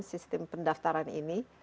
sistem pendaftaran ini